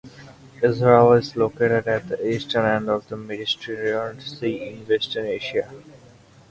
Israel is located at the eastern end of the Mediterranean Sea in western Asia.